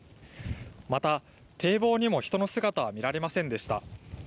また、堤防にも人の姿は見られませんでした。